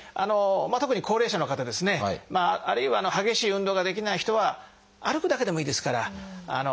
特に高齢者の方ですねあるいは激しい運動ができない人は歩くだけでもいいですからおやりになるといいと思います。